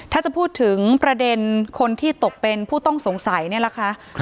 ถ้าจะพูดถึงประเด็นคนที่ตกเป็นผู้ต้องสงสัยเนี่ยนะคะ